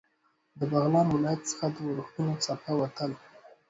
له بغلان ولایت څخه د اورښتونو څپه ووتل.